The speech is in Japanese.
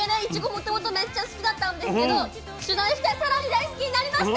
もともとめっちゃ好きだったんですけど取材して更に大好きになりました。